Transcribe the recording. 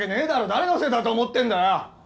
誰のせいだと思ってんだよ！